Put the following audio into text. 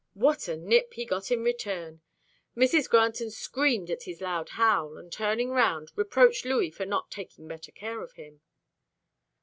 What a nip he got in return! Mrs. Granton screamed at his loud howl, and turning round, reproached Louis for not taking better care of him.